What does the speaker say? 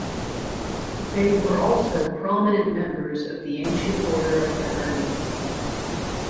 They were also prominent members of the Ancient Order of Hibernians.